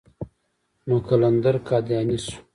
نو قلندر قادياني شو.